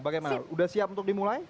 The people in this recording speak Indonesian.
bagaimana sudah siap untuk dimulai